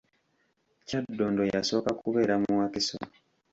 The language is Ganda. Kyaddondo yasooka kubeera mu Wakiso.